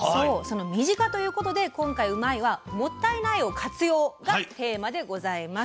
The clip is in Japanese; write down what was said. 身近ということで今回、「うまいッ！」は「もったいない！を活用」がテーマでございます。